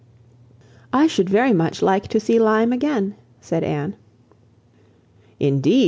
"I should very much like to see Lyme again," said Anne. "Indeed!